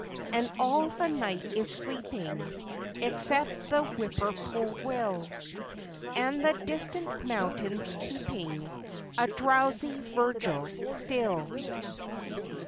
And all the night is sleeping Except the whippoorwill, And the distant mountains keeping A drowsy vigil, still.